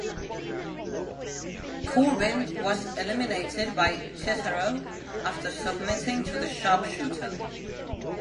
Corbin was eliminated by Cesaro after submitting to the Sharpshooter.